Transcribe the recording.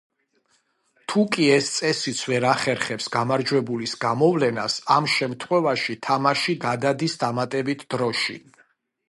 თუკი ეს წესიც ვერ ახერხებს გამარჯვებულის გამოვლენას, ამ შემთხვევაში თამაში გადადის დამატებით დროში.